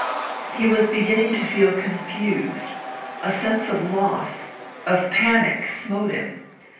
He was beginning to feel confused. A sense of loss, of panic, smote him.